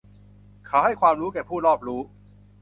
เขาให้ความรู้แก่ผู้รอบรู้